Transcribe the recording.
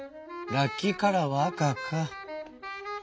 ラッキーカラーは赤」か。